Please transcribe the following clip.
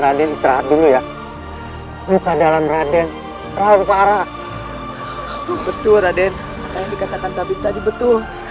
raden istirahat dulu ya muka dalam raden terlalu parah betul raden apa yang dikatakan tadi betul